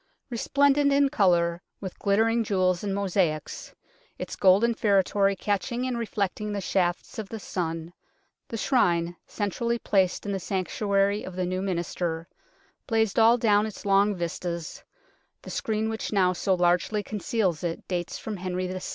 Resplendent in colour, with ghttering jewels and mosaics, its golden feretory catching and reflecting the shafts of the sun, the Shrine, centrally placed in the sanctuary of the new minster, blazed all down its long vistas (the screen which now so largely conceals it dates from Henry VI.).